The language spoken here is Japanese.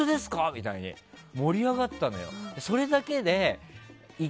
みたいに盛り上がったのよ。